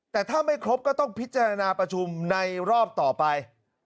แต่ถ้าไม่ครบก็ต้องพิจารณาประชุมในรอบต่อไป